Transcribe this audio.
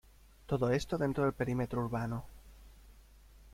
Todo esto dentro del perímetro urbano.